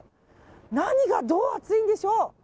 何がどうアツいんでしょう？